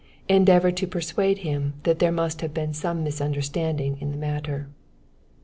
Endeavor to persuade him that there must have been some misunderstanding in the matter.